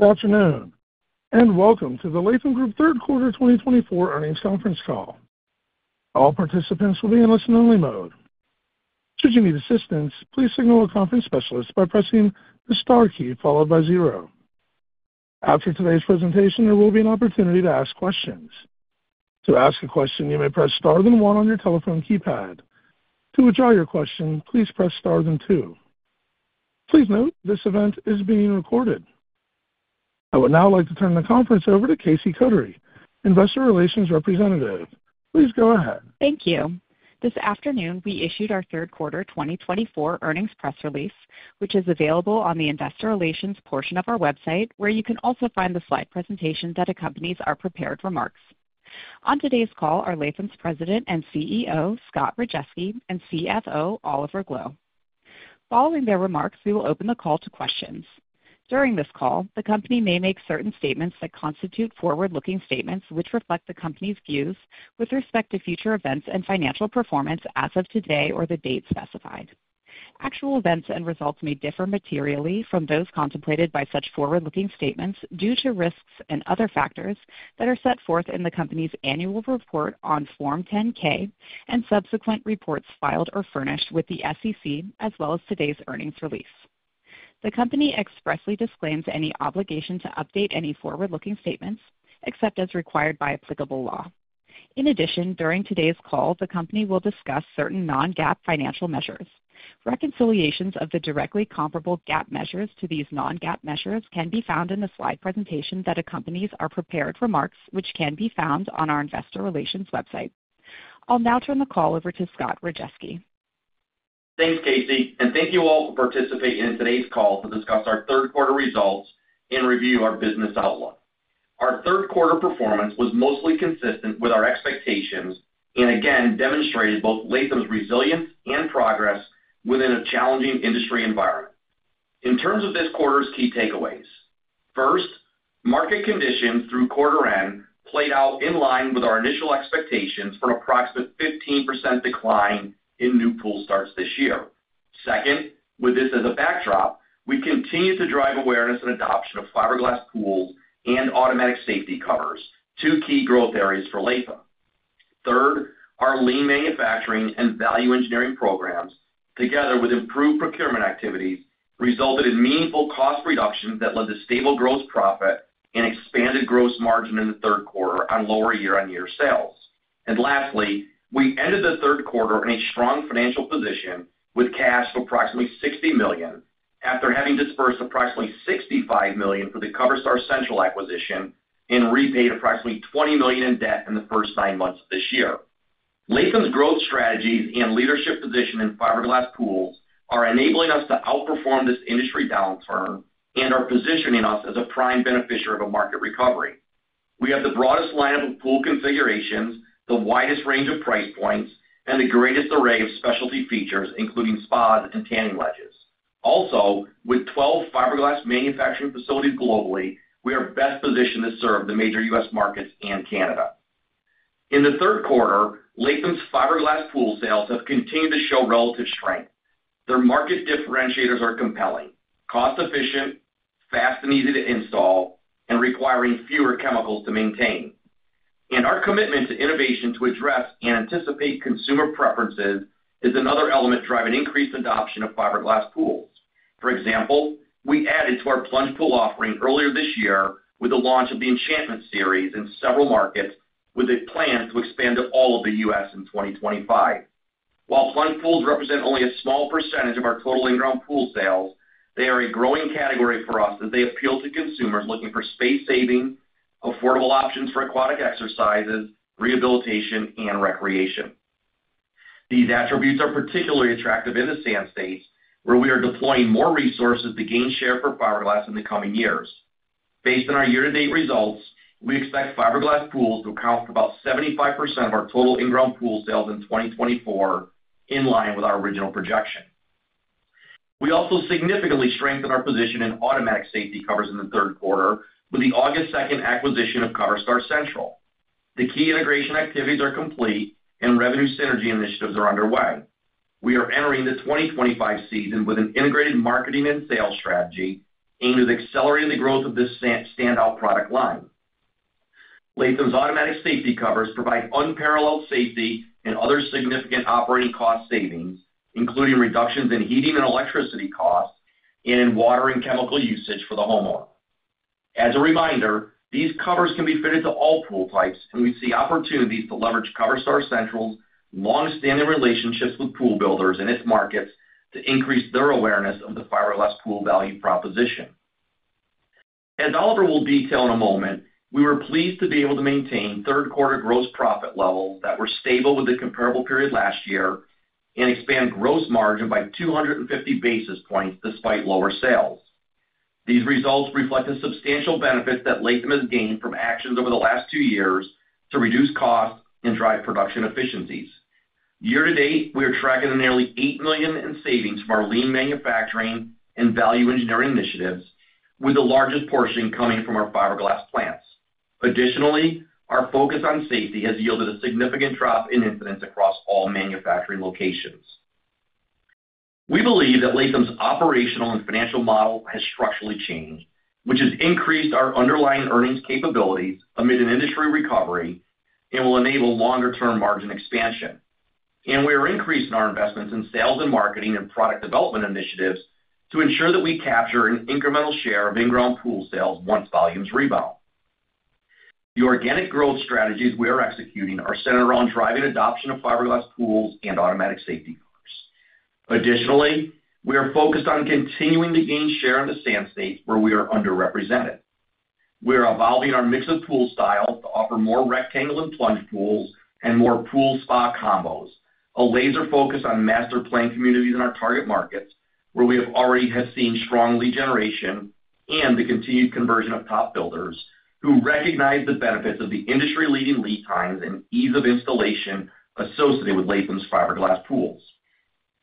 Good afternoon and welcome to the Latham Group third quarter 2024 earnings conference call. All participants will be in listen-only mode. Should you need assistance, please signal a conference specialist by pressing the star key followed by zero. After today's presentation, there will be an opportunity to ask questions. To ask a question, you may press star then one on your telephone keypad. To withdraw your question, please press star then two. Please note this event is being recorded. I would now like to turn the conference over to Casey Kotary, Investor Relations Representative. Please go ahead. Thank you. This afternoon, we issued our third quarter 2024 earnings press release, which is available on the Investor Relations portion of our website, where you can also find the slide presentations that accompany our prepared remarks. On today's call are Latham's President and CEO, Scott Rajeski, and CFO, Oliver Gloe. Following their remarks, we will open the call to questions. During this call, the company may make certain statements that constitute forward-looking statements which reflect the company's views with respect to future events and financial performance as of today or the date specified. Actual events and results may differ materially from those contemplated by such forward-looking statements due to risks and other factors that are set forth in the company's annual report on Form 10-K and subsequent reports filed or furnished with the SEC, as well as today's earnings release. The company expressly disclaims any obligation to update any forward-looking statements except as required by applicable law. In addition, during today's call, the company will discuss certain non-GAAP financial measures. Reconciliations of the directly comparable GAAP measures to these non-GAAP measures can be found in the slide presentation that accompanies our prepared remarks, which can be found on our Investor Relations website. I'll now turn the call over to Scott Rajeski. Thanks, Casey, and thank you all for participating in today's call to discuss our third quarter results and review our business outlook. Our third quarter performance was mostly consistent with our expectations and, again, demonstrated both Latham's resilience and progress within a challenging industry environment. In terms of this quarter's key takeaways, first, market conditions through quarter end played out in line with our initial expectations for an approximate 15% decline in new pool starts this year. Second, with this as a backdrop, we continue to drive awareness and adoption of fiberglass pools and automatic safety covers, two key growth areas for Latham. Third, our lean manufacturing and value engineering programs, together with improved procurement activities, resulted in meaningful cost reductions that led to stable gross profit and expanded gross margin in the third quarter on lower year-on-year sales. Lastly, we ended the third quarter in a strong financial position with cash of approximately $60 million after having disbursed approximately $65 million for the Coverstar Central acquisition and repaid approximately $20 million in debt in the first nine months of this year. Latham's growth strategies and leadership position in fiberglass pools are enabling us to outperform this industry downturn and are positioning us as a prime beneficiary of a market recovery. We have the broadest lineup of pool configurations, the widest range of price points, and the greatest array of specialty features, including spas and tanning ledges. Also, with 12 fiberglass manufacturing facilities globally, we are best positioned to serve the major U.S. markets and Canada. In the third quarter, Latham's fiberglass pool sales have continued to show relative strength. Their market differentiators are compelling: cost-efficient, fast and easy to install, and requiring fewer chemicals to maintain. Our commitment to innovation to address and anticipate consumer preferences is another element driving increased adoption of fiberglass pools. For example, we added to our plunge pool offering earlier this year with the launch of the Enchantment Series in several markets, with a plan to expand to all of the U.S. in 2025. While plunge pools represent only a small percentage of our total in-ground pool sales, they are a growing category for us as they appeal to consumers looking for space-saving, affordable options for aquatic exercises, rehabilitation, and recreation. These attributes are particularly attractive in the Sand States, where we are deploying more resources to gain share for fiberglass in the coming years. Based on our year-to-date results, we expect fiberglass pools to account for about 75% of our total in-ground pool sales in 2024, in line with our original projection. We also significantly strengthened our position in automatic safety covers in the third quarter with the August 2nd acquisition of Coverstar Central. The key integration activities are complete, and revenue synergy initiatives are underway. We are entering the 2025 season with an integrated marketing and sales strategy aimed at accelerating the growth of this standout product line. Latham's automatic safety covers provide unparalleled safety and other significant operating cost savings, including reductions in heating and electricity costs and in water and chemical usage for the homeowner. As a reminder, these covers can be fitted to all pool types, and we see opportunities to leverage Coverstar Central's long-standing relationships with pool builders and its markets to increase their awareness of the fiberglass pool value proposition. As Oliver will detail in a moment, we were pleased to be able to maintain third quarter gross profit levels that were stable with the comparable period last year and expand gross margin by 250 basis points despite lower sales. These results reflect the substantial benefits that Latham has gained from actions over the last two years to reduce costs and drive production efficiencies. Year-to-date, we are tracking nearly $8 million in savings from our lean manufacturing and value engineering initiatives, with the largest portion coming from our fiberglass plants. Additionally, our focus on safety has yielded a significant drop in incidents across all manufacturing locations. We believe that Latham's operational and financial model has structurally changed, which has increased our underlying earnings capabilities amid an industry recovery and will enable longer-term margin expansion. And we are increasing our investments in sales and marketing and product development initiatives to ensure that we capture an incremental share of in-ground pool sales once volumes rebound. The organic growth strategies we are executing are centered around driving adoption of fiberglass pools and automatic safety covers. Additionally, we are focused on continuing to gain share in the Sand States, where we are underrepresented. We are evolving our mix of pool styles to offer more rectangle and plunge pools and more pool-spa combos, a laser focus on master plan communities in our target markets, where we have already seen strong lead generation and the continued conversion of top builders who recognize the benefits of the industry-leading lead times and ease of installation associated with Latham's fiberglass pools.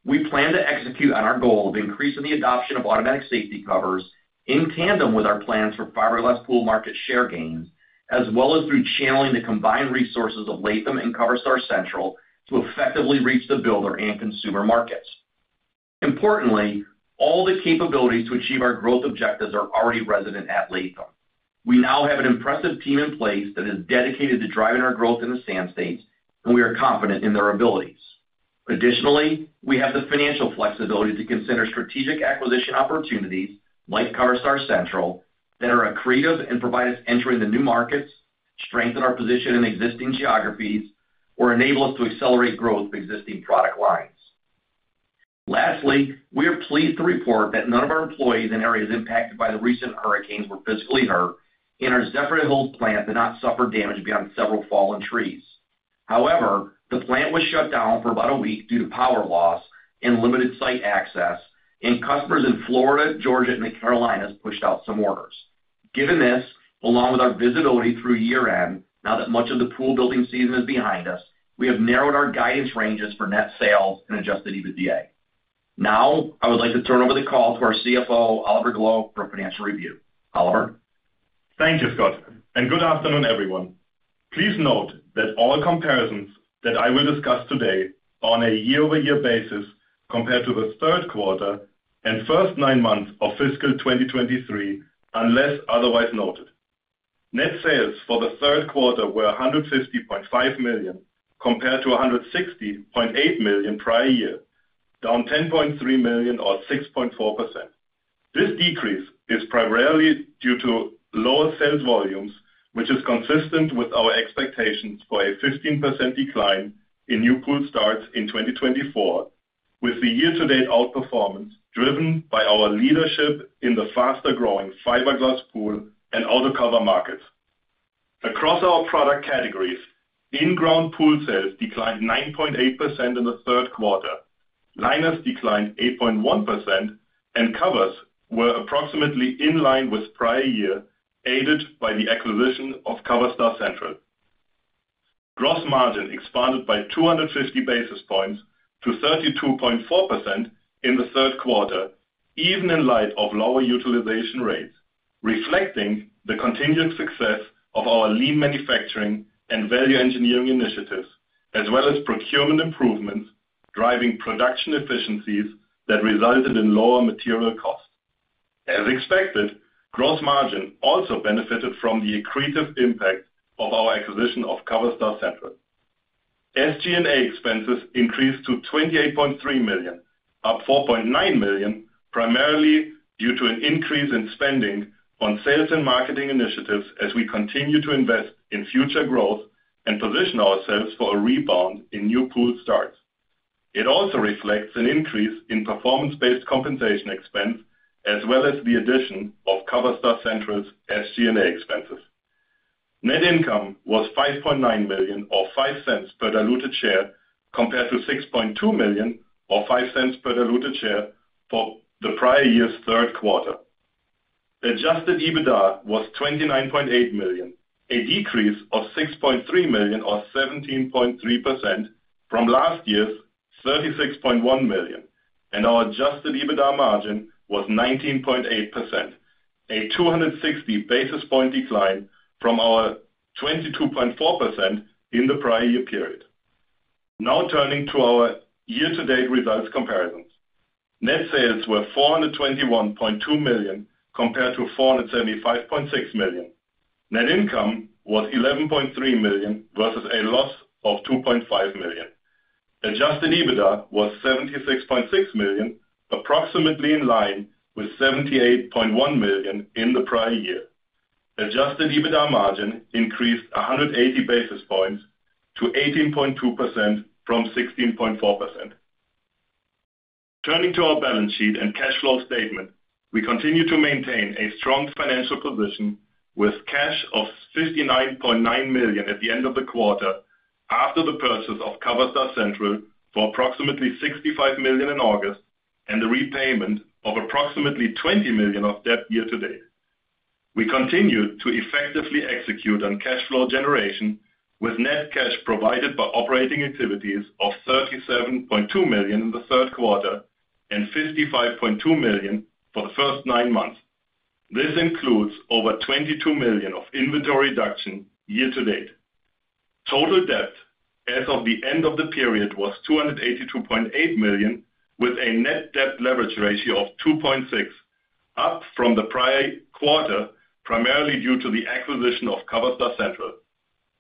We plan to execute on our goal of increasing the adoption of automatic safety covers in tandem with our plans for fiberglass pool market share gains, as well as through channeling the combined resources of Latham and Coverstar Central to effectively reach the builder and consumer markets. Importantly, all the capabilities to achieve our growth objectives are already resident at Latham. We now have an impressive team in place that is dedicated to driving our growth in the Sand States, and we are confident in their abilities. Additionally, we have the financial flexibility to consider strategic acquisition opportunities like Coverstar Central that are accretive and provide us entry into new markets, strengthen our position in existing geographies, or enable us to accelerate growth of existing product lines. Lastly, we are pleased to report that none of our employees in areas impacted by the recent hurricanes were physically hurt, and our Zephyrhills plant did not suffer damage beyond several fallen trees. However, the plant was shut down for about a week due to power loss and limited site access, and customers in Florida, Georgia, and the Carolinas pushed out some orders. Given this, along with our visibility through year-end, now that much of the pool building season is behind us, we have narrowed our guidance ranges for net sales and Adjusted EBITDA. Now, I would like to turn over the call to our CFO, Oliver Gloe, for a financial review. Oliver? Thank you, Scott. Good afternoon, everyone. Please note that all comparisons that I will discuss today are on a year-over-year basis compared to the third quarter and first nine months of fiscal 2023, unless otherwise noted. Net sales for the third quarter were $150.5 million compared to $160.8 million prior year, down $10.3 million or 6.4%. This decrease is primarily due to lower sales volumes, which is consistent with our expectations for a 15% decline in new pool starts in 2024, with the year-to-date outperformance driven by our leadership in the faster-growing fiberglass pool and auto cover markets. Across our product categories, in-ground pool sales declined 9.8% in the third quarter, liners declined 8.1%, and covers were approximately in line with prior year, aided by the acquisition of Coverstar Central. Gross margin expanded by 250 basis points to 32.4% in the third quarter, even in light of lower utilization rates, reflecting the continued success of our lean manufacturing and value engineering initiatives, as well as procurement improvements driving production efficiencies that resulted in lower material costs. As expected, gross margin also benefited from the accretive impact of our acquisition of Coverstar Central. SG&A expenses increased to $28.3 million, up $4.9 million, primarily due to an increase in spending on sales and marketing initiatives as we continue to invest in future growth and position ourselves for a rebound in new pool starts. It also reflects an increase in performance-based compensation expense, as well as the addition of Coverstar Central's SG&A expenses. Net income was $5.9 million or $0.05 per diluted share compared to $6.2 million or $0.05 per diluted share for the prior year's third quarter. Adjusted EBITDA was $29.8 million, a decrease of $6.3 million or 17.3% from last year's $36.1 million, and our adjusted EBITDA margin was 19.8%, a 260 basis points decline from our 22.4% in the prior year period. Now turning to our year-to-date results comparisons. Net sales were $421.2 million compared to $475.6 million. Net income was $11.3 million versus a loss of $2.5 million. Adjusted EBITDA was $76.6 million, approximately in line with $78.1 million in the prior year. Adjusted EBITDA margin increased 180 basis points to 18.2% from 16.4%. Turning to our balance sheet and cash flow statement, we continue to maintain a strong financial position with cash of $59.9 million at the end of the quarter after the purchase of Coverstar Central for approximately $65 million in August and the repayment of approximately $20 million of debt year-to-date. We continue to effectively execute on cash flow generation with net cash provided by operating activities of $37.2 million in the third quarter and $55.2 million for the first nine months. This includes over $22 million of inventory reduction year-to-date. Total debt as of the end of the period was $282.8 million with a net debt leverage ratio of 2.6, up from the prior quarter primarily due to the acquisition of Coverstar Central.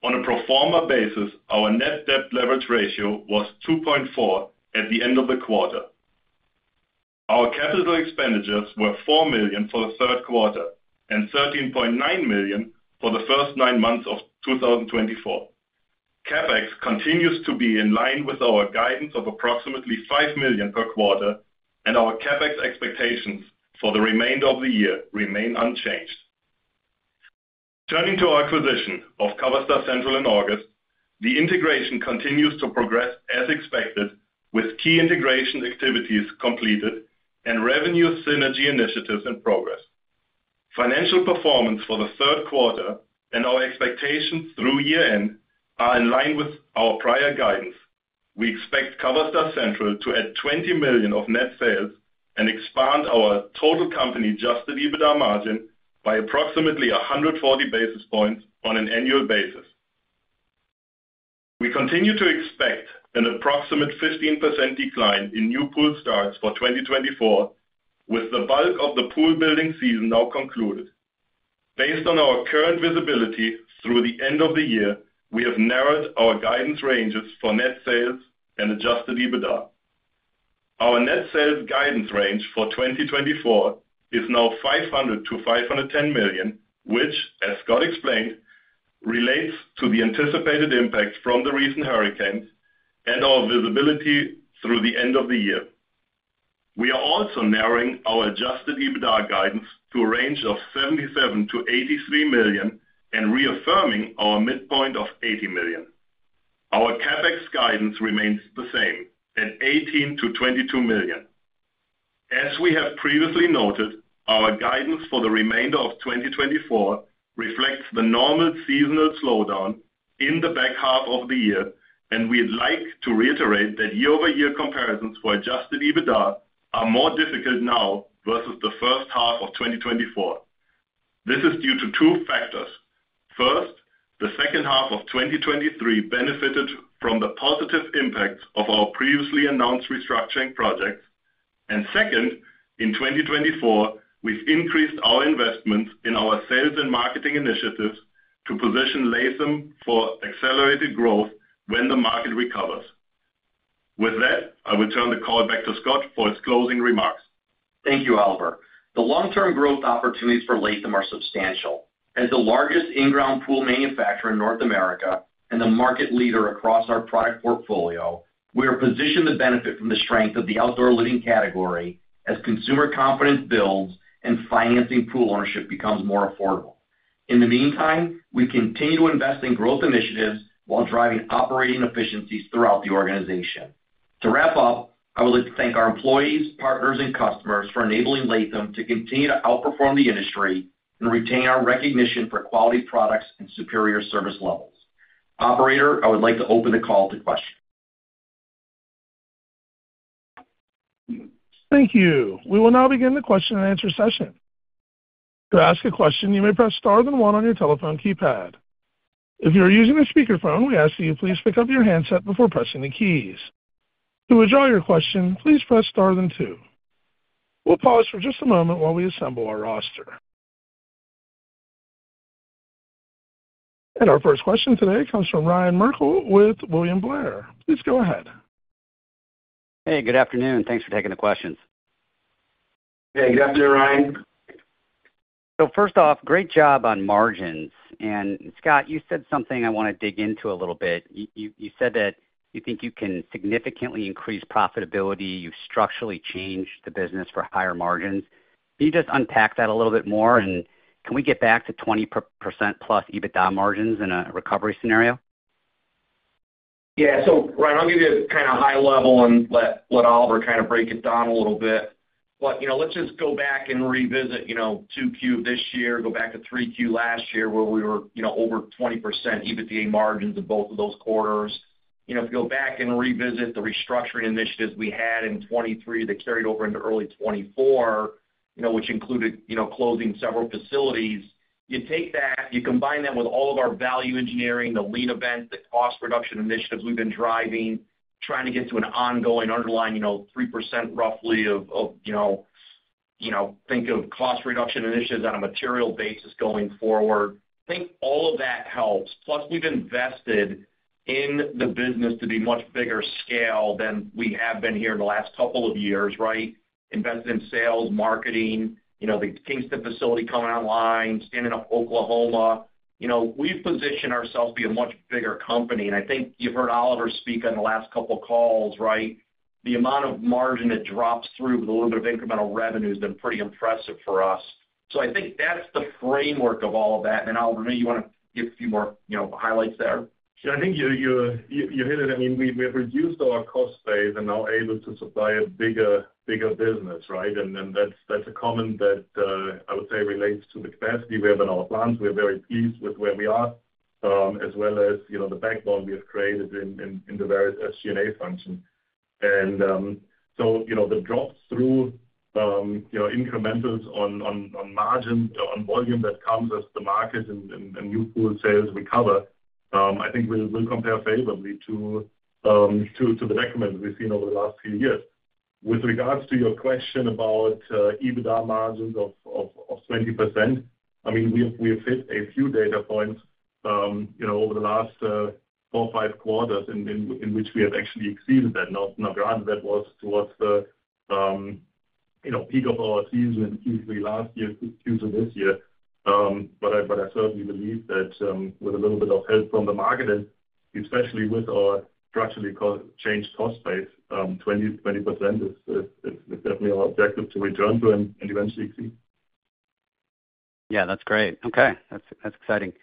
On a pro forma basis, our net debt leverage ratio was 2.4 at the end of the quarter. Our capital expenditures were $4 million for the third quarter and $13.9 million for the first nine months of 2024. CapEx continues to be in line with our guidance of approximately $5 million per quarter, and our CapEx expectations for the remainder of the year remain unchanged. Turning to our acquisition of Coverstar Central in August, the integration continues to progress as expected, with key integration activities completed and revenue synergy initiatives in progress. Financial performance for the third quarter and our expectations through year-end are in line with our prior guidance. We expect Coverstar Central to add $20 million of net sales and expand our total company Adjusted EBITDA margin by approximately 140 basis points on an annual basis. We continue to expect an approximate 15% decline in new pool starts for 2024, with the bulk of the pool building season now concluded. Based on our current visibility through the end of the year, we have narrowed our guidance ranges for net sales and Adjusted EBITDA. Our net sales guidance range for 2024 is now $500-$510 million, which, as Scott explained, relates to the anticipated impact from the recent hurricanes and our visibility through the end of the year. We are also narrowing our Adjusted EBITDA guidance to a range of $77-$83 million and reaffirming our midpoint of $80 million. Our CapEx guidance remains the same at $18-$22 million. As we have previously noted, our guidance for the remainder of 2024 reflects the normal seasonal slowdown in the back half of the year, and we'd like to reiterate that year-over-year comparisons for Adjusted EBITDA are more difficult now versus the first half of 2024. This is due to two factors. First, the second half of 2023 benefited from the positive impacts of our previously announced restructuring projects. Second, in 2024, we've increased our investments in our sales and marketing initiatives to position Latham for accelerated growth when the market recovers. With that, I will turn the call back to Scott for his closing remarks. Thank you, Oliver. The long-term growth opportunities for Latham are substantial. As the largest in-ground pool manufacturer in North America and the market leader across our product portfolio, we are positioned to benefit from the strength of the outdoor living category as consumer confidence builds and financing pool ownership becomes more affordable. In the meantime, we continue to invest in growth initiatives while driving operating efficiencies throughout the organization. To wrap up, I would like to thank our employees, partners, and customers for enabling Latham to continue to outperform the industry and retain our recognition for quality products and superior service levels. Operator, I would like to open the call to questions. Thank you. We will now begin the question and answer session. To ask a question, you may press star then one on your telephone keypad. If you are using a speakerphone, we ask that you please pick up your handset before pressing the keys. To withdraw your question, please press star then two. We'll pause for just a moment while we assemble our roster. Our first question today comes from Ryan Merkel with William Blair. Please go ahead. Hey, good afternoon. Thanks for taking the questions. Hey, good afternoon, Ryan. So first off, great job on margins. And Scott, you said something I want to dig into a little bit. You said that you think you can significantly increase profitability. You've structurally changed the business for higher margins. Can you just unpack that a little bit more? And can we get back to 20% plus EBITDA margins in a recovery scenario? Yeah. So Ryan, I'll give you a kind of high level and let Oliver kind of break it down a little bit. But let's just go back and revisit 2Q this year, go back to 3Q last year where we were over 20% EBITDA margins in both of those quarters. If you go back and revisit the restructuring initiatives we had in 2023 that carried over into early 2024, which included closing several facilities, you take that, you combine that with all of our value engineering, the lean events, the cost reduction initiatives we've been driving, trying to get to an ongoing underlying 3% roughly of think of cost reduction initiatives on a material basis going forward. I think all of that helps. Plus, we've invested in the business to be much bigger scale than we have been here in the last couple of years, right? Invested in sales, marketing, the Kingston facility coming online, standing up Oklahoma. We've positioned ourselves to be a much bigger company. And I think you've heard Oliver speak on the last couple of calls, right? The amount of margin that drops through with a little bit of incremental revenue has been pretty impressive for us. So I think that's the framework of all of that. And Oliver, maybe you want to give a few more highlights there? Yeah, I think you hit it. I mean, we have reduced our cost base and now able to supply a bigger business, right? And that's a comment that I would say relates to the capacity we have in our plants. We're very pleased with where we are, as well as the backbone we have created in the various SG&A functions. And so the drop-through incrementals on margin, on volume that comes as the market and new pool sales recover, I think will compare favorably to the decrement we've seen over the last few years. With regards to your question about EBITDA margins of 20%, I mean, we have hit a few data points over the last four or five quarters in which we have actually exceeded that. Now, granted, that was towards the peak of our season in Q3 last year, Q2 this year. But I certainly believe that with a little bit of help from the market, and especially with our structurally changed cost base, 20% is definitely our objective to return to and eventually exceed. Yeah, that's great. Okay. That's exciting.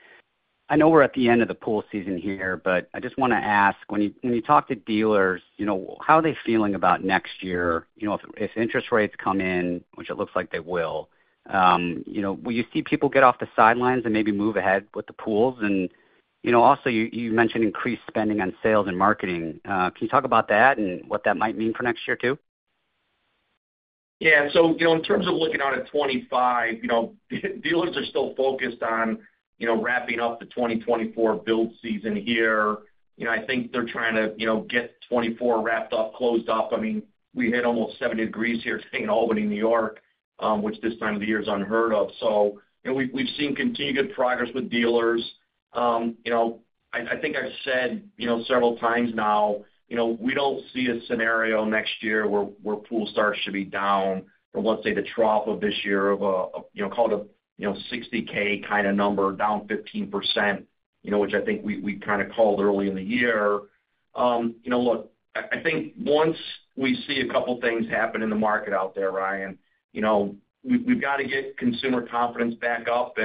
I know we're at the end of the pool season here, but I just want to ask, when you talk to dealers, how are they feeling about next year? If interest rates come in, which it looks like they will, will you see people get off the sidelines and maybe move ahead with the pools? And also, you mentioned increased spending on sales and marketing. Can you talk about that and what that might mean for next year too? Yeah. So in terms of looking on at 2025, dealers are still focused on wrapping up the 2024 build season here. I think they're trying to get 2024 wrapped up, closed up. I mean, we hit almost 70 degrees Fahrenheit here today in Albany, New York, which this time of the year is unheard of. So we've seen continued good progress with dealers. I think I've said several times now, we don't see a scenario next year where pool starts should be down from, let's say, the trough of this year of called a 60K kind of number, down 15%, which I think we kind of called early in the year. Look, I think once we see a couple of things happen in the market out there, Ryan, we've got to get consumer confidence back up.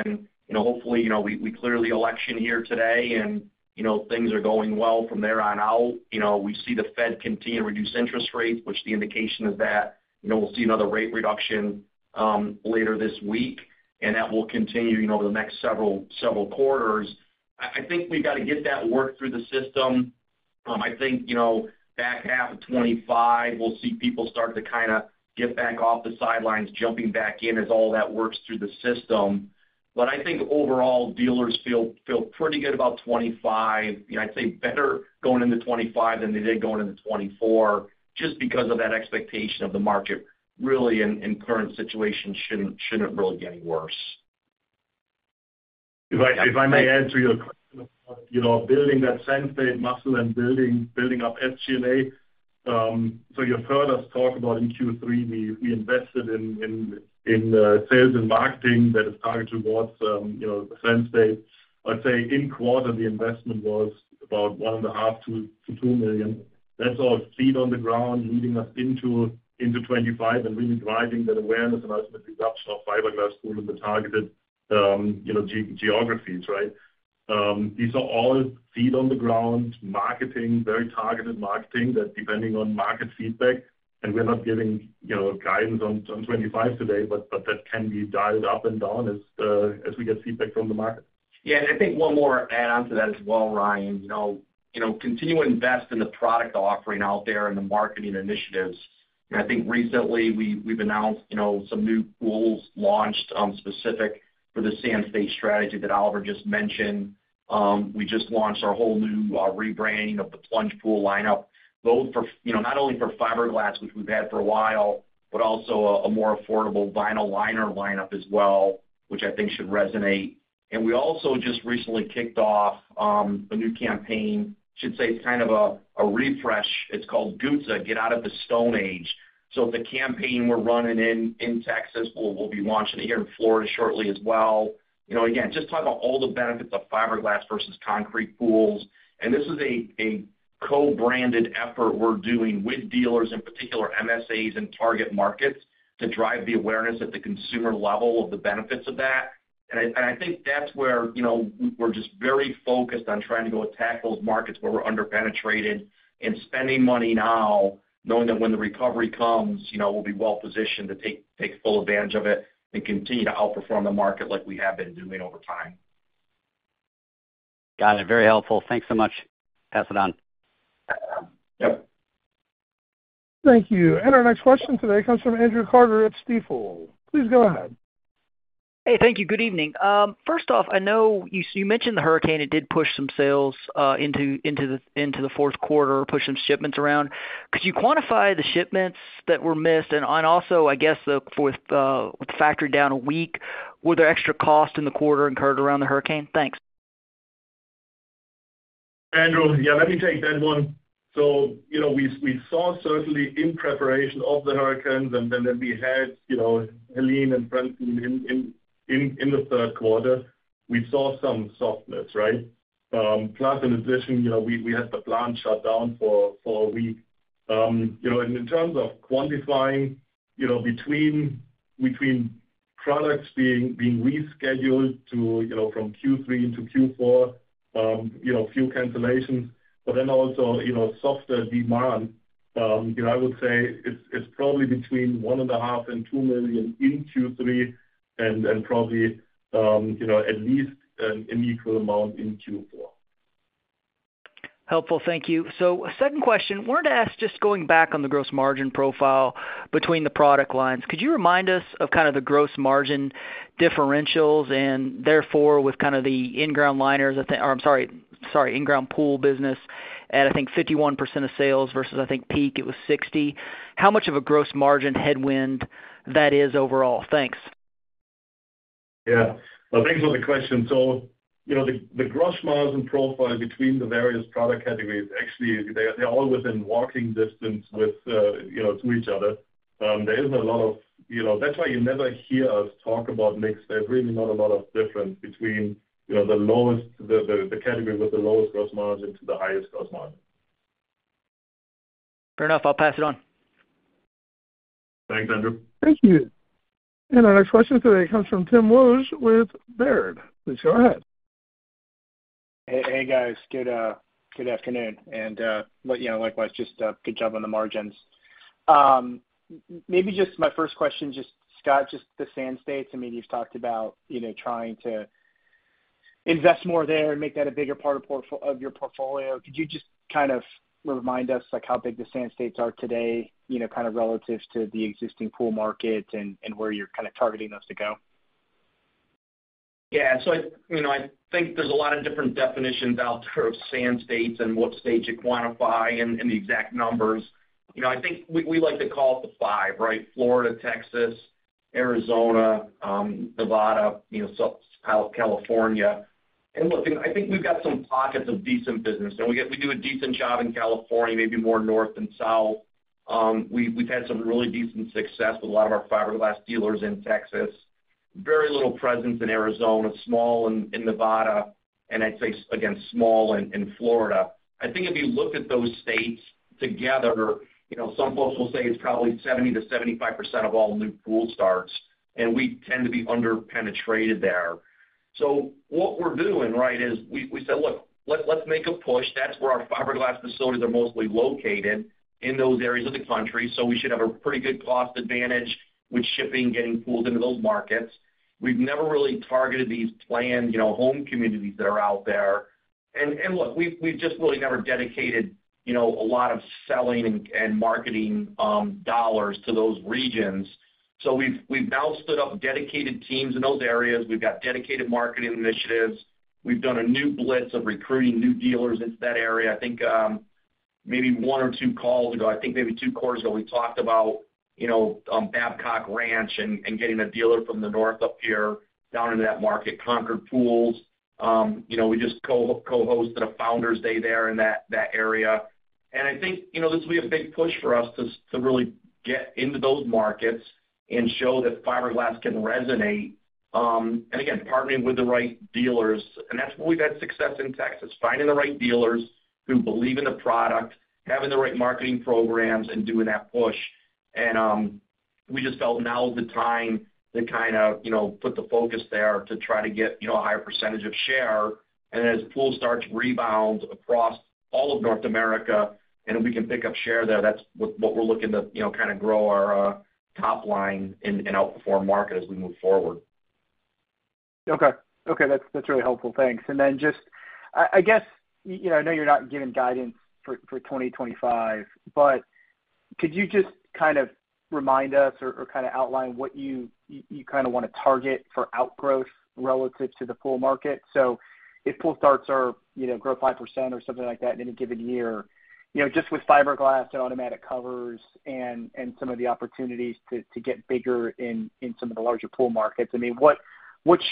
Hopefully, we clear the election year today and things are going well from there on out. We see the Fed continue to reduce interest rates, which the indication is that we'll see another rate reduction later this week, and that will continue over the next several quarters. I think we've got to get that work through the system. I think back half of 2025, we'll see people start to kind of get back off the sidelines, jumping back in as all that works through the system, but I think overall, dealers feel pretty good about 2025. I'd say better going into 2025 than they did going into 2024, just because of that expectation of the market really in current situation shouldn't really get any worse. If I may add to your question about building that Sand States muscle and building up SG&A, so you first talked about in Q3, we invested in sales and marketing that is targeted towards Sand States. I'd say in that quarter, the investment was about $1.5-$2 million. That's all feet on the ground leading us into 2025 and really driving that awareness and ultimately adoption of fiberglass pools in the targeted geographies, right? These are all feet on the ground marketing, very targeted marketing that depending on market feedback, and we're not giving guidance on 2025 today, but that can be dialed up and down as we get feedback from the market. Yeah. And I think one more add-on to that as well, Ryan. Continue to invest in the product offering out there and the marketing initiatives. And I think recently we've announced some new pools launched specific for the Sand States strategy that Oliver just mentioned. We just launched our whole new rebranding of the plunge pool lineup, both for not only for fiberglass, which we've had for a while, but also a more affordable vinyl liner lineup as well, which I think should resonate. And we also just recently kicked off a new campaign. I should say it's kind of a refresh. It's called GOOTSA, Get Out of the Stone Age. So the campaign we're running in Texas, we'll be launching it here in Florida shortly as well. Again, just talk about all the benefits of fiberglass versus concrete pools. This is a co-branded effort we're doing with dealers, in particular MSAs and target markets to drive the awareness at the consumer level of the benefits of that. I think that's where we're just very focused on trying to go attack those markets where we're underpenetrated and spending money now, knowing that when the recovery comes, we'll be well-positioned to take full advantage of it and continue to outperform the market like we have been doing over time. Got it. Very helpful. Thanks so much. Pass it on. Yep. Thank you, and our next question today comes from Andrew Carter at Stifel. Please go ahead. Hey, thank you. Good evening. First off, I know you mentioned the hurricane. It did push some sales into the fourth quarter, pushed some shipments around. Could you quantify the shipments that were missed? And also, I guess with the factory down a week, were there extra costs in the quarter incurred around the hurricane? Thanks. Andrew, yeah, let me take that one. So we saw certainly in preparation of the hurricanes, and then we had Helene and Francine in the third quarter, we saw some softness, right? Plus, in addition, we had the plant shut down for a week. In terms of quantifying between products being rescheduled from Q3 into Q4, few cancellations, but then also softer demand, I would say it's probably between $1.5-$2 million in Q3 and probably at least an equal amount in Q4. Helpful. Thank you. So second question, wanted to ask just going back on the gross margin profile between the product lines, could you remind us of kind of the gross margin differentials and therefore with kind of the in-ground liners or I'm sorry, in-ground pool business at I think 51% of sales versus I think peak it was 60%. How much of a gross margin headwind that is overall? Thanks. Yeah. Well, thanks for the question. So the gross margin profile between the various product categories, actually, they're all within walking distance to each other. There isn't a lot of. That's why you never hear us talk about mix shift. There's really not a lot of difference between the lowest, the category with the lowest gross margin to the highest gross margin. Fair enough. I'll pass it on. Thanks, Andrew. Thank you. And our next question today comes from Tim Wojs with Baird. Please go ahead. Hey, guys. Good afternoon. And likewise, just good job on the margins. Maybe just my first question, just Scott, just the Sand States. I mean, you've talked about trying to invest more there and make that a bigger part of your portfolio. Could you just kind of remind us how big the Sand States are today kind of relative to the existing pool market and where you're kind of targeting those to go? Yeah. So I think there's a lot of different definitions out there of Sand States and what states you quantify and the exact numbers. I think we like to call it the five, right? Florida, Texas, Arizona, Nevada, South California. And look, I think we've got some pockets of decent business. We do a decent job in California, maybe more north than south. We've had some really decent success with a lot of our fiberglass dealers in Texas. Very little presence in Arizona, small in Nevada, and I'd say, again, small in Florida. I think if you look at those states together, some folks will say it's probably 70%-75% of all new pool starts, and we tend to be underpenetrated there. So what we're doing, right, is we said, "Look, let's make a push." That's where our fiberglass facilities are mostly located in those areas of the country. So we should have a pretty good cost advantage with shipping getting pulled into those markets. We've never really targeted these planned home communities that are out there. And look, we've just really never dedicated a lot of selling and marketing dollars to those regions. So we've now stood up dedicated teams in those areas. We've got dedicated marketing initiatives. We've done a new blitz of recruiting new dealers into that area. I think maybe one or two calls ago, I think maybe two quarters ago, we talked about Babcock Ranch and getting a dealer from the north up here down into that market, Concord Pools. We just co-hosted a Founders' Day there in that area. And I think this will be a big push for us to really get into those markets and show that fiberglass can resonate. And again, partnering with the right dealers. And that's where we've had success in Texas, finding the right dealers who believe in the product, having the right marketing programs, and doing that push. And we just felt now is the time to kind of put the focus there to try to get a higher percentage of share. And then as pool starts rebound across all of North America and we can pick up share there, that's what we're looking to kind of grow our top line and outperform market as we move forward. Okay. Okay. That's really helpful. Thanks. And then just, I guess, I know you're not giving guidance for 2025, but could you just kind of remind us or kind of outline what you kind of want to target for outgrowth relative to the pool market? So if pool starts are grow 5% or something like that in any given year, just with fiberglass and automatic covers and some of the opportunities to get bigger in some of the larger pool markets, I mean, what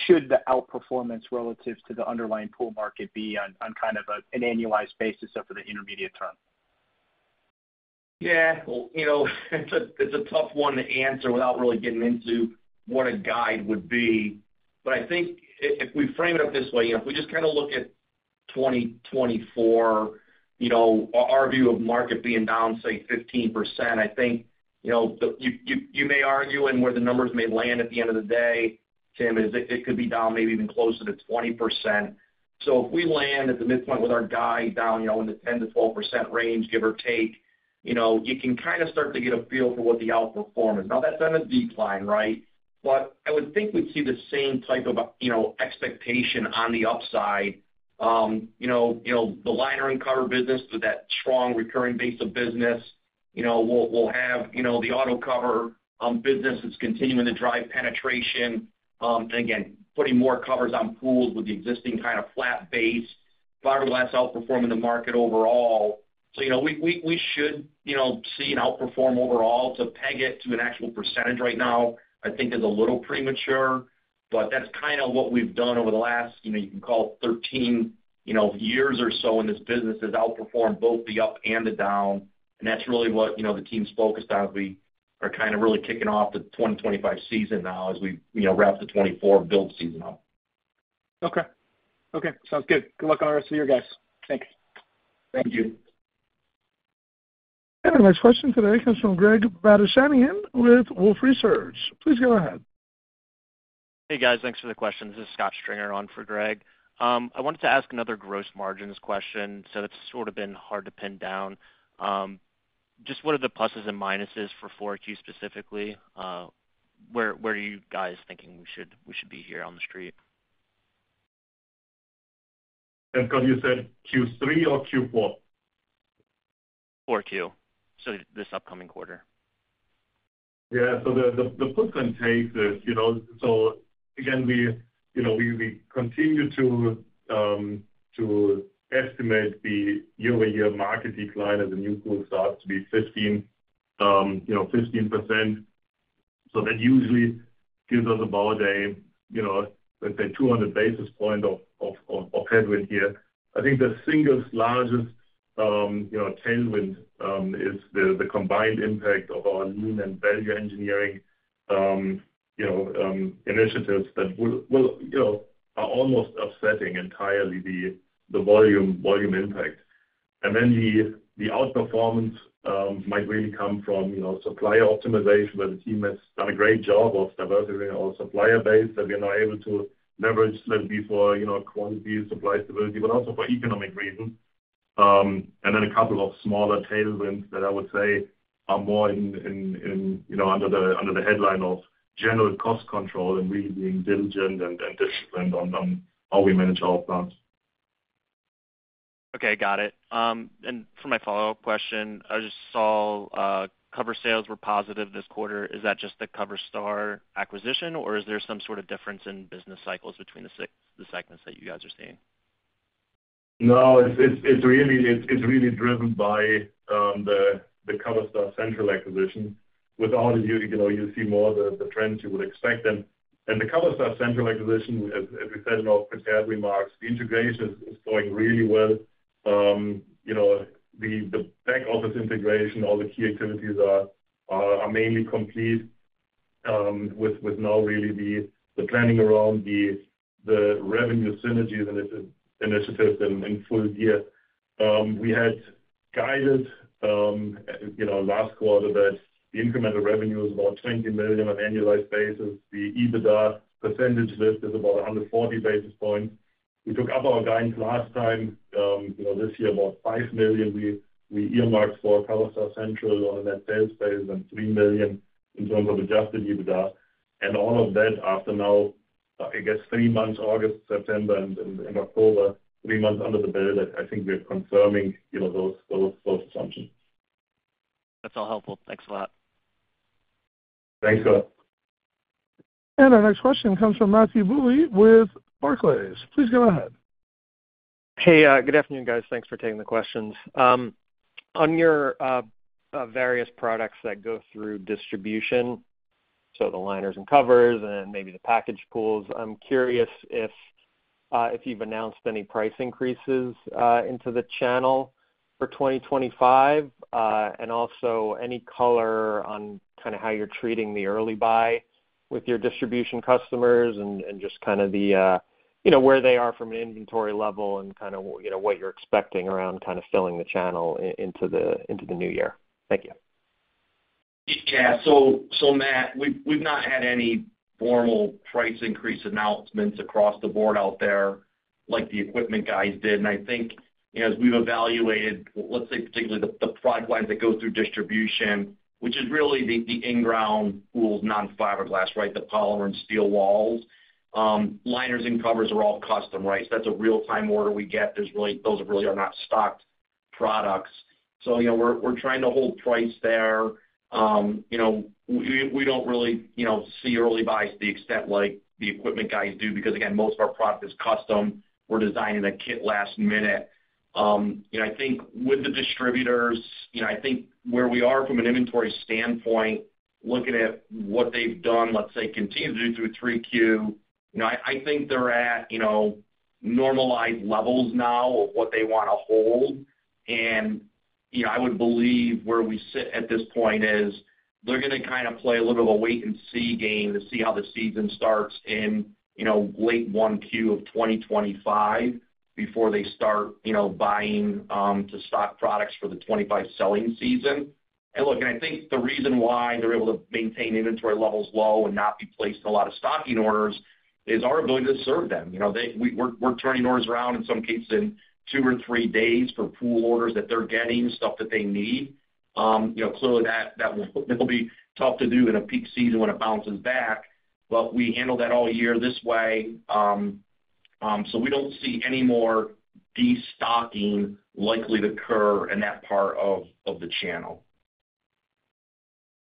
should the outperformance relative to the underlying pool market be on kind of an annualized basis for the intermediate term? Yeah. Well, it's a tough one to answer without really getting into what a guide would be. But I think if we frame it up this way, if we just kind of look at 2024, our view of market being down, say, 15%, I think you may argue and where the numbers may land at the end of the day, Tim, is it could be down maybe even closer to 20%. So if we land at the midpoint with our guide down in the 10%-12% range, give or take, you can kind of start to get a feel for what the outperformance is. Now, that's on a decline, right? But I would think we'd see the same type of expectation on the upside. The liner and cover business with that strong recurring base of business will have the auto cover business that's continuing to drive penetration. And again, putting more covers on pools with the existing kind of flat base, fiberglass outperforming the market overall. So we should see an outperform overall. To peg it to an actual percentage right now, I think is a little premature. But that's kind of what we've done over the last, you can call it 13 years or so in this business, is outperform both the up and the down. And that's really what the team's focused on as we are kind of really kicking off the 2025 season now as we wrap the 2024 build season up. Okay. Okay. Sounds good. Good luck on the rest of your guys. Thanks. Thank you. Our next question today comes from Greg Badishkanian with Wolfe Research. Please go ahead. Hey, guys. Thanks for the question. This is Scott Stringer on for Greg. I wanted to ask another gross margins question. So that's sort of been hard to pin down. Just what are the pluses and minuses for 4Q specifically? Where are you guys thinking we should be here on the street? You said Q3 or Q4? 4Q. So this upcoming quarter. Yeah. So the push and pull is, so again, we continue to estimate the year-over-year market decline in new pool starts to be 15%. So that usually gives us about a, let's say, 200 basis points of headwind here. I think the single largest tailwind is the combined impact of our lean and value engineering initiatives that are almost offsetting entirely the volume impact. And then the outperformance might really come from supplier optimization where the team has done a great job of diversifying our supplier base that we're now able to leverage slightly for quantity, supply stability, but also for economic reasons. And then a couple of smaller tailwinds that I would say are more under the headline of general cost control and really being diligent and disciplined on how we manage our plants. Okay. Got it. And for my follow-up question, I just saw cover sales were positive this quarter. Is that just the Coverstar acquisition, or is there some sort of difference in business cycles between the segments that you guys are seeing? No, it's really driven by the Coverstar Central acquisition. Without it, you'll see more of the trends you would expect, and the Coverstar Central acquisition, as we said in our prepared remarks, the integration is going really well. The back-office integration, all the key activities are mainly complete with now really the planning around the revenue synergies and initiatives in full gear. We had guided last quarter that the incremental revenue is about $20 million on annualized basis. The EBITDA percentage lift is about 140 basis points. We took up our guidance last time. This year, about $5 million we earmarked for Coverstar Central on that sales phase and $3 million in terms of Adjusted EBITDA, and all of that after now, I guess, three months, August, September, and October, three months under the belt that I think we're confirming those assumptions. That's all helpful. Thanks a lot. Thanks, Scott. Our next question comes from Matthew Bouley with Barclays. Please go ahead. Hey, good afternoon, guys. Thanks for taking the questions. On your various products that go through distribution, so the liners and covers and maybe the packaged pools, I'm curious if you've announced any price increases into the channel for 2025 and also any color on kind of how you're treating the early buy with your distribution customers and just kind of where they are from an inventory level and kind of what you're expecting around kind of filling the channel into the new year. Thank you. Yeah. So, Matt, we've not had any formal price increase announcements across the board out there like the equipment guys did. And I think as we've evaluated, let's say, particularly the product lines that go through distribution, which is really the in-ground pools, non-fiberglass, right, the polymer and steel walls, liners and covers are all custom, right? So that's a real-time order we get. Those really are not stocked products. So we're trying to hold price there. We don't really see early buys to the extent like the equipment guys do because, again, most of our product is custom. We're designing a kit last minute. I think with the distributors, I think where we are from an inventory standpoint, looking at what they've done, let's say, continue to do through 3Q, I think they're at normalized levels now of what they want to hold. I would believe where we sit at this point is they're going to kind of play a little bit of a wait-and-see game to see how the season starts in late 1Q of 2025 before they start buying to stock products for the 2025 selling season. Look, I think the reason why they're able to maintain inventory levels low and not be placed in a lot of stocking orders is our ability to serve them. We're turning orders around in some cases in two or three days for pool orders that they're getting, stuff that they need. Clearly, that will be tough to do in a peak season when it bounces back. We handle that all year this way. We don't see any more destocking likely to occur in that part of the channel.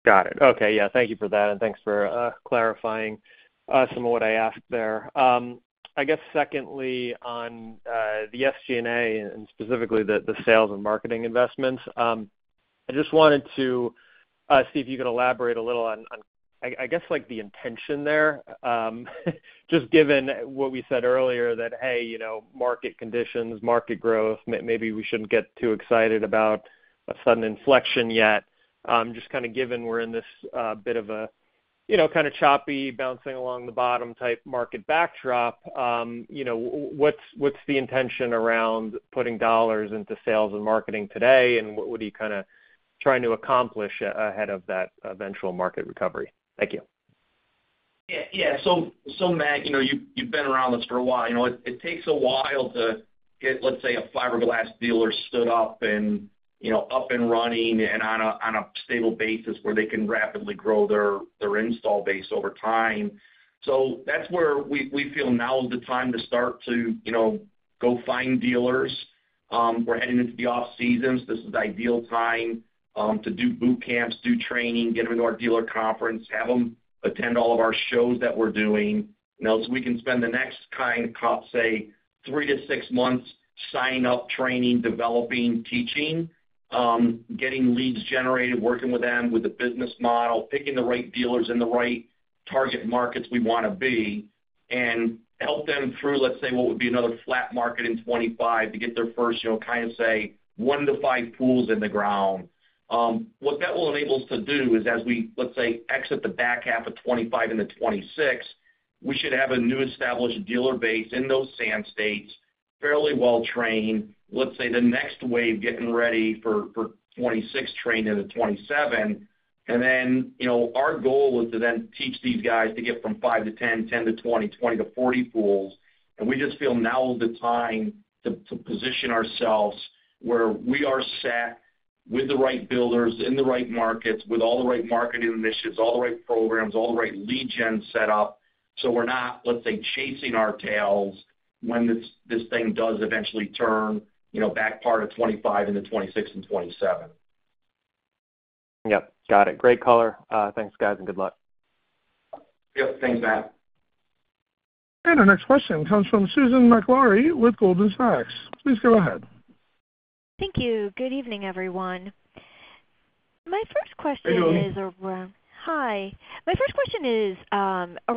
Got it. Okay. Yeah. Thank you for that. And thanks for clarifying some of what I asked there. I guess, secondly, on the SG&A and specifically the sales and marketing investments, I just wanted to see if you could elaborate a little on, I guess, the intention there, just given what we said earlier that, hey, market conditions, market growth, maybe we shouldn't get too excited about a sudden inflection yet. Just kind of given we're in this bit of a kind of choppy, bouncing along the bottom type market backdrop, what's the intention around putting dollars into sales and marketing today? And what are you kind of trying to accomplish ahead of that eventual market recovery? Thank you. Yeah. So, Matt, you've been around this for a while. It takes a while to get, let's say, a fiberglass dealer stood up and up and running and on a stable basis where they can rapidly grow their install base over time. So that's where we feel now is the time to start to go find dealers. We're heading into the off-seasons. This is the ideal time to do boot camps, do training, get them into our dealer conference, have them attend all of our shows that we're doing so we can spend the next kind of, say, three to six months signing up, training, developing, teaching, getting leads generated, working with them with the business model, picking the right dealers in the right target markets we want to be, and help them through, let's say, what would be another flat market in 2025 to get their first, kind of say, one to five pools in the ground. What that will enable us to do is, as we, let's say, exit the back half of 2025 into 2026, we should have a new established dealer base in those Sand States, fairly well trained, let's say, the next wave getting ready for 2026 trained into 2027. And then our goal is to then teach these guys to get from 5 to 10, 10 to 20, 20 to 40 pools. And we just feel now is the time to position ourselves where we are set with the right builders in the right markets, with all the right marketing initiatives, all the right programs, all the right lead gen set up so we're not, let's say, chasing our tails when this thing does eventually turn back part of 2025 into 2026 and 2027. Yep. Got it. Great color. Thanks, guys, and good luck. Yep. Thanks, Matt. Our next question comes from Susan Maklari with Goldman Sachs. Please go ahead. Thank you. Good evening, everyone. My first question is around. Hi, Sue. Hi. My first question is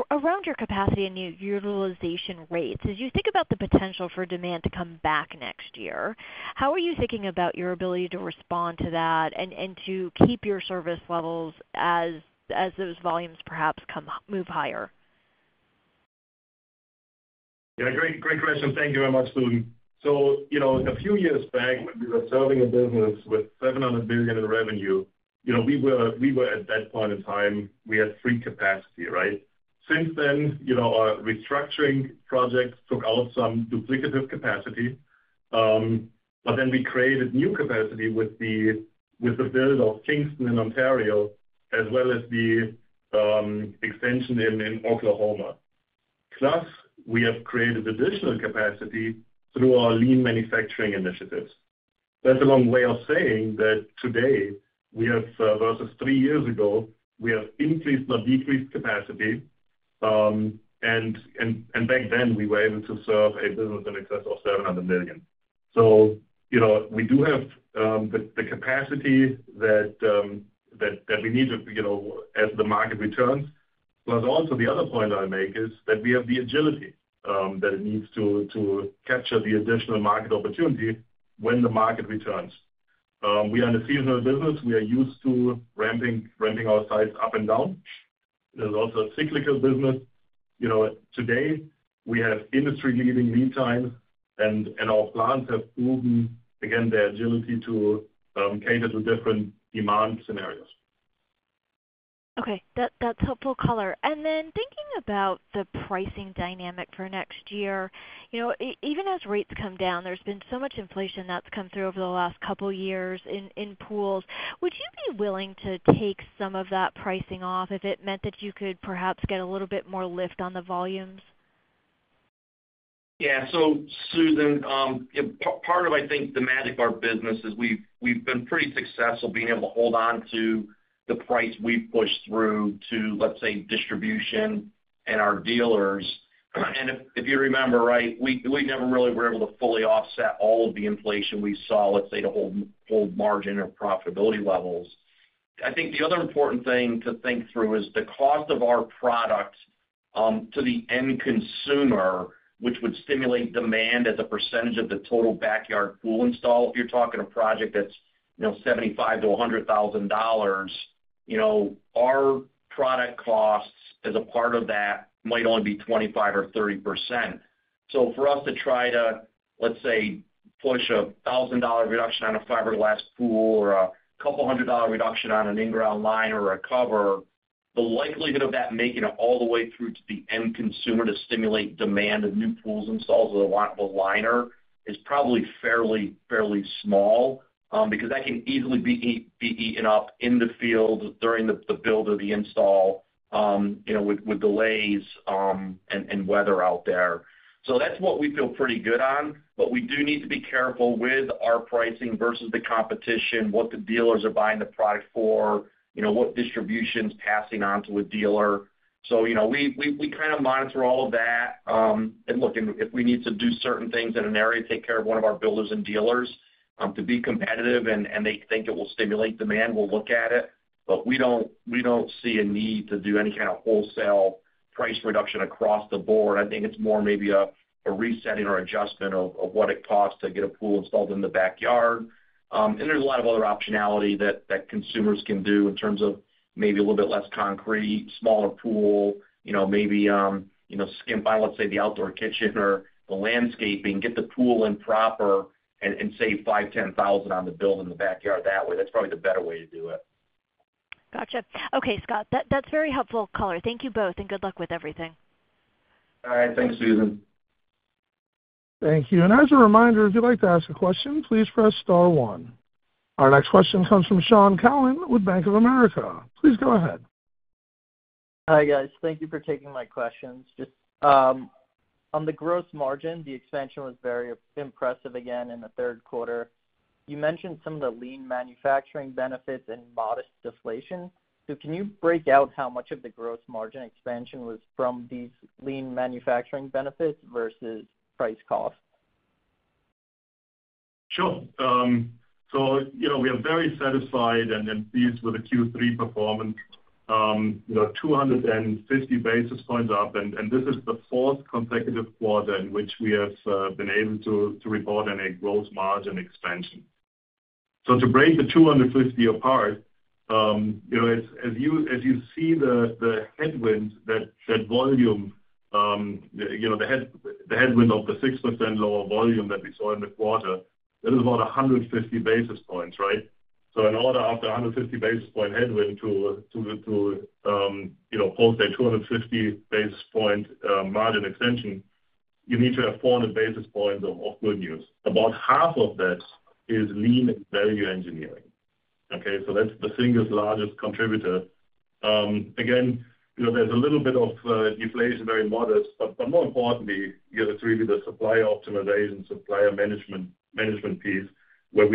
around your capacity and utilization rates. As you think about the potential for demand to come back next year, how are you thinking about your ability to respond to that and to keep your service levels as those volumes perhaps move higher? Yeah. Great question. Thank you very much, Susan. So a few years back, when we were serving a business with $700 million in revenue, we were at that point in time, we had free capacity, right? Since then, our restructuring project took out some duplicative capacity. But then we created new capacity with the build of Kingston, Ontario as well as the extension in Oklahoma. Plus, we have created additional capacity through our lean manufacturing initiatives. That's a long way of saying that today, versus three years ago, we have increased or decreased capacity. And back then, we were able to serve a business in excess of $700 million. So we do have the capacity that we need as the market returns. Plus, also, the other point I make is that we have the agility that it needs to capture the additional market opportunity when the market returns. We are in a seasonal business. We are used to ramping our sites up and down. It is also a cyclical business. Today, we have industry-leading lead times, and our plants have proven, again, their agility to cater to different demand scenarios. Okay. That's helpful color. And then thinking about the pricing dynamic for next year, even as rates come down, there's been so much inflation that's come through over the last couple of years in pools. Would you be willing to take some of that pricing off if it meant that you could perhaps get a little bit more lift on the volumes? Yeah. So, Susan, part of, I think, the magic of our business is we've been pretty successful being able to hold on to the price we've pushed through to, let's say, distribution and our dealers. And if you remember, right, we never really were able to fully offset all of the inflation we saw, let's say, to hold margin or profitability levels. I think the other important thing to think through is the cost of our product to the end consumer, which would stimulate demand as a percentage of the total backyard pool install. If you're talking a project that's $75,000-$100,000, our product costs as a part of that might only be 25% or 30%. So for us to try to, let's say, push a $1,000 reduction on a fiberglass pool or a couple hundred dollar reduction on an in-ground liner or a cover, the likelihood of that making it all the way through to the end consumer to stimulate demand of new pools installs or the lineup of a liner is probably fairly small because that can easily be eaten up in the field during the build or the install with delays and weather out there. So that's what we feel pretty good on. But we do need to be careful with our pricing versus the competition, what the dealers are buying the product for, what distribution's passing on to a dealer. So we kind of monitor all of that. And look, if we need to do certain things in an area, take care of one of our builders and dealers to be competitive and they think it will stimulate demand, we'll look at it. But we don't see a need to do any kind of wholesale price reduction across the board. I think it's more maybe a resetting or adjustment of what it costs to get a pool installed in the backyard. And there's a lot of other optionality that consumers can do in terms of maybe a little bit less concrete, smaller pool, maybe skimp on, let's say, the outdoor kitchen or the landscaping, get the pool in proper and save $5,000-$10,000 on the build in the backyard that way. That's probably the better way to do it. Gotcha. Okay, Scott. That's very helpful color. Thank you both, and good luck with everything. All right. Thanks, Susan. Thank you, and as a reminder, if you'd like to ask a question, please press star one. Our next question comes from Shaun Calnan with Bank of America. Please go ahead. Hi, guys. Thank you for taking my questions. On the gross margin, the expansion was very impressive again in the third quarter. You mentioned some of the lean manufacturing benefits and modest deflation. So can you break out how much of the gross margin expansion was from these lean manufacturing benefits versus price cost? Sure. So we are very satisfied and pleased with the Q3 performance, 250 basis points up. And this is the fourth consecutive quarter in which we have been able to report on a gross margin expansion. So to break the 250 apart, as you see the headwind, that volume, the headwind of the 6% lower volume that we saw in the quarter, that is about 150 basis points, right? So in order after 150 basis point headwind to post a 250 basis point margin extension, you need to have 400 basis points of good news. About half of that is lean value engineering. Okay? So that's the single largest contributor. Again, there's a little bit of deflation, very modest. But more importantly, it's really the supplier optimization, supplier management piece where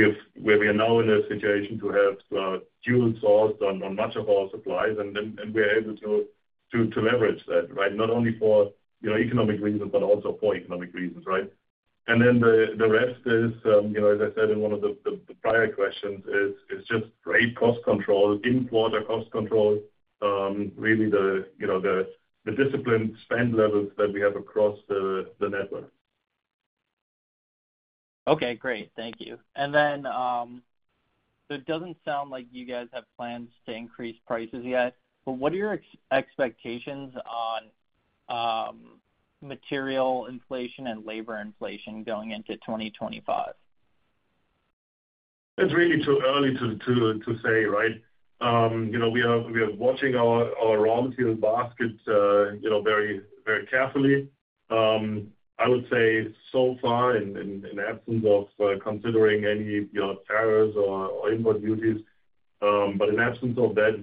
we are now in a situation to have dual source on much of our supplies. We're able to leverage that, right? Not only for economic reasons, but also for economic reasons, right? And then the rest is, as I said in one of the prior questions, just rate cost control, in-quarter cost control, really the disciplined spend levels that we have across the network. Okay. Great. Thank you. And then it doesn't sound like you guys have plans to increase prices yet. But what are your expectations on material inflation and labor inflation going into 2025? It's really too early to say, right? We are watching our raw material basket very carefully. I would say so far in absence of considering any tariffs or import duties. But in absence of that,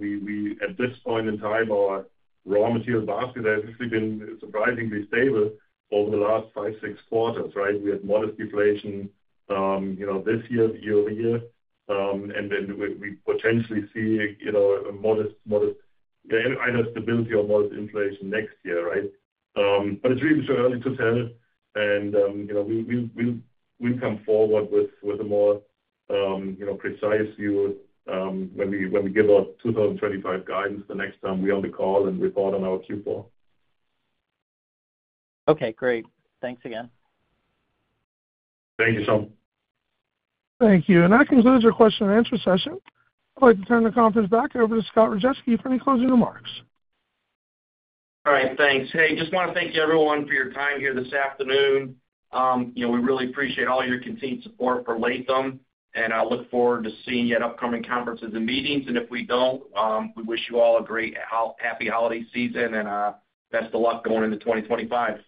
at this point in time, our raw material basket has actually been surprisingly stable over the last five, six quarters, right? We had modest deflation this year, year over year. And then we potentially see modest either stability or modest inflation next year, right? But it's really too early to tell. And we'll come forward with a more precise view when we give our 2025 guidance the next time we're on the call and report on our Q4. Okay. Great. Thanks again. Thank you, Shaun. Thank you. And that concludes our question and answer session. I'd like to turn the conference back over to Scott Rajeski for any closing remarks. All right. Thanks. Hey, just want to thank you everyone for your time here this afternoon. We really appreciate all your continued support for Latham. And I look forward to seeing you at upcoming conferences and meetings. And if we don't, we wish you all a great happy holiday season and best of luck going into 2025.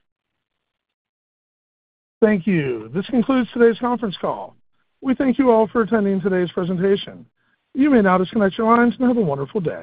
Thank you. This concludes today's conference call. We thank you all for attending today's presentation. You may now disconnect your lines and have a wonderful day.